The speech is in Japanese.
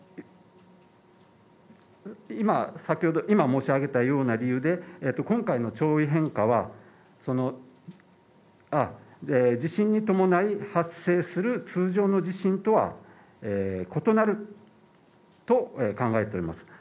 今申し上げたような理由で今回の潮位変化は、地震に伴い発生する通常の地震とは異なると考えております。